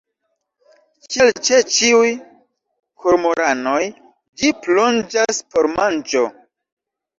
Kiel ĉe ĉiuj kormoranoj ĝi plonĝas por manĝo.